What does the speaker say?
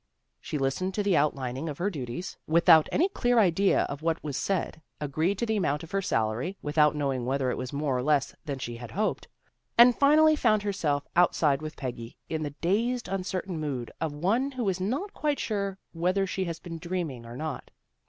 She listened to the outlining of her duties, 282 THE GIRLS OF FRIENDLY TERRACE without any clear idea of what was said, agreed to the amount of her salary, without knowing whether it was more or less than she had hoped, and finally found herself outside with Peggy, in the dazed, uncertain mood of one who is not quite sure whether she has been dreaming or not.